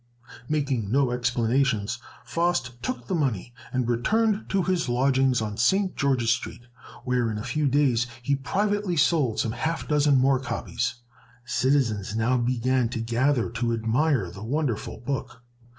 Making no explanations, Faust took the money, and returned to his lodgings on St. George's Street, where in a few days he privately sold some half dozen more copies. Citizens now began to gather to admire the wonderful book.